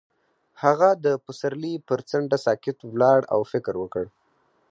هغه د پسرلی پر څنډه ساکت ولاړ او فکر وکړ.